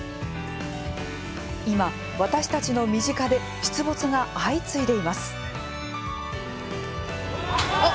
今、私たちの身近で出没が相次いでいます。